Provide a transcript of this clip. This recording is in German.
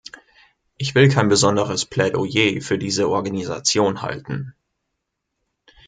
Ich will kein besonderes Plädoyer für diese Organisation halten.